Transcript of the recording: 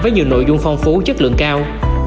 với nhiều nội dung phong phú chất lượng cao